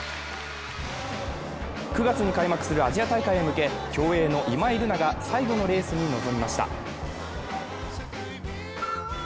９月に開幕するアジア大会へ向け競泳の今井月が最後のレースに臨みました。